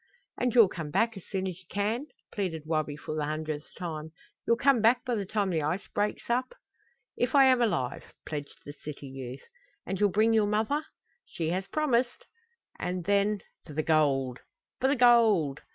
"And you'll come back as soon as you can?" pleaded Wabi for the hundredth time. "You'll come back by the time the ice breaks up?" "If I am alive!" pledged the city youth. "And you'll bring your mother?" "She has promised." "And then for the gold!" "For the gold!"